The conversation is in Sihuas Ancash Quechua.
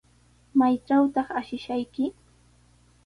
¿Maytrawtaq ashishayki?